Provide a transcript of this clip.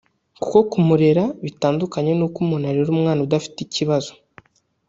kuko kumurera bitandukanye n’uko umuntu arera umwana udafite ikibazo